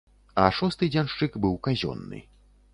А шосты дзяншчык быў казённы.